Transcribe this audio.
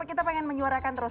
kita ingin menyuarakan terus